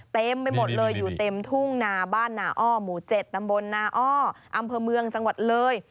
เต็มไปหมดเลยอยู่เต็มทุ่งนาบ้านนาอ้อหมู่๗ตำบลนาอ้ออำเภอเมืองจังหวัดเลย